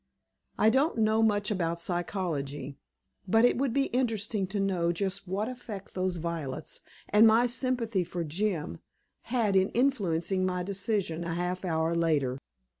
I don't know much about psychology, but it would be interesting to know just what effect those violets and my sympathy for Jim had in influencing my decision a half hour later.